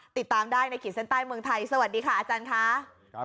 ติดตามได้ในขีดเส้นใต้เมืองไทยสวัสดีค่ะอาจารย์ค่ะ